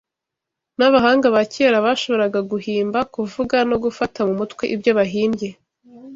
n’abahanga ba kera bashoboraga guhimba kuvuga no gufata mu mutwe ibyo bahimbye